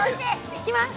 いきます！